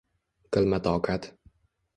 Qilma toqat